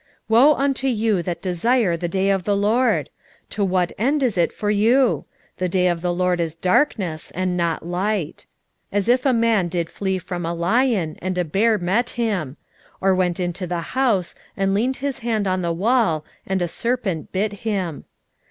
5:18 Woe unto you that desire the day of the LORD! to what end is it for you? the day of the LORD is darkness, and not light. 5:19 As if a man did flee from a lion, and a bear met him; or went into the house, and leaned his hand on the wall, and a serpent bit him.